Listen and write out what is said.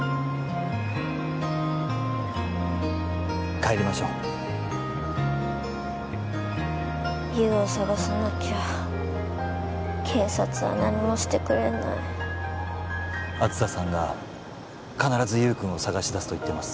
帰りましょう優を捜さなきゃ警察は何もしてくれない梓さんが必ず優くんを捜し出すと言ってます